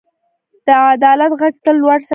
د عدالت غږ تل لوړ ساتئ.